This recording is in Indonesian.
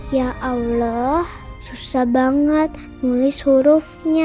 ya allah susah banget menulis hurufnya